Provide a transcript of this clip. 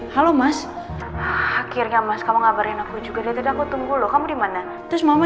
halo mas akhirnya mas kamu ngabarin aku juga aku tunggu loh kamu dimana terus mama